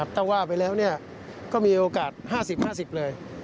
ถ้าว่าไปแล้วก็มีโอกาส๕๐๕๐เลย